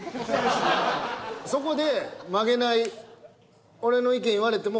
そこで曲げない。